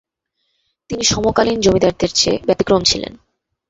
তিনি সমকালীন জমিদারদের চেয়ে ব্যতিক্রম ছিলেন।